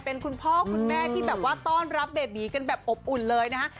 เป็นคุณพ่อคุณแม่ที่แบบว่าต้อนรับเบบีกันแบบอบอุ่นเลยนะฮะ